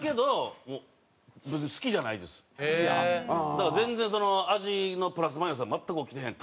だから全然味のプラスマイナスは全く起きてへん。